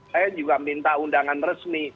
saya juga minta undangan resmi